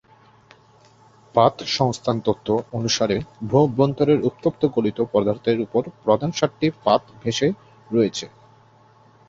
পাত সংস্থান তত্ত্ব অনুসারে ভূ-অভ্যন্তরের উত্তপ্ত গলিত পদার্থের ওপর প্রধান সাতটি পাত ভেসে রয়েছে।